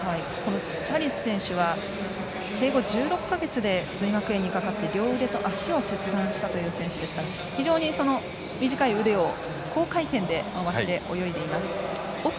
チャリス選手は生後１６か月で髄膜炎にかかって両腕と足を切断した選手ですが非常に短い腕を高回転で回して泳いでいます。